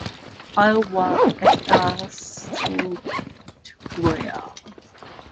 I work at a software company located in the heart of the city.